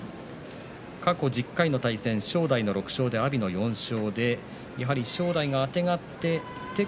過去は１０回の対戦正代の６勝、阿炎は４勝。